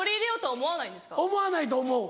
思わないと思う。